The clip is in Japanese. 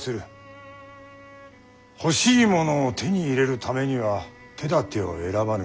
欲しいものを手に入れるためには手だてを選ばぬ。